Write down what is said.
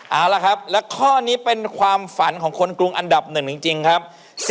เอาละครับและข้อนี้เป็นความฝันของคนกรุงอันดับหนึ่งจริงครับ